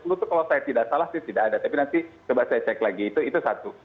itu kalau saya tidak salah sih tidak ada tapi nanti coba saya cek lagi itu satu